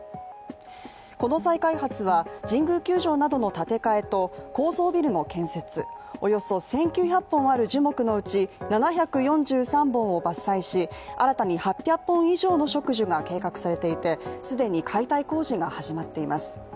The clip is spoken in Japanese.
この再開発は、神宮球場などの建て替えと高層ビルの建設、およそ１９００本ある樹木のうち７４３本を伐採し新たに８００本以上の植樹が計画されていて既に解体工事が始まっています。